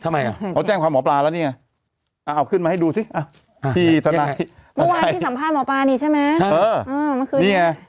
เมื่อมาเมื่อนี้คุณแสนครับ